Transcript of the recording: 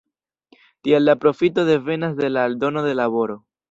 Tial la profito devenas de la aldono de laboro.